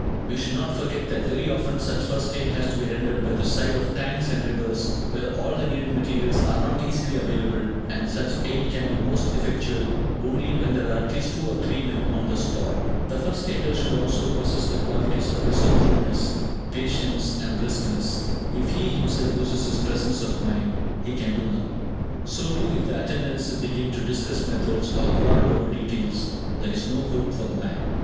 We should not forget that very often such 'First aid' has to be rendered by the side of tanks and rivers, where all the needed materials are not easily available, and such aid can be most effectual only when there are at least two or three men on the spot. The first aider should also possess the qualities of resourcefulness, patience, and briskness; if he himself loses his presence of mind, he can do nothing. So too, if the attendants begin to discuss methods, or quarrel over details, there is no hope for the man.